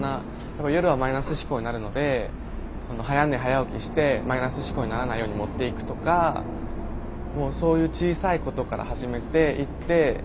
やっぱ夜はマイナス思考になるので早寝早起きしてマイナス思考にならないように持っていくとかそういう小さいことから始めていって。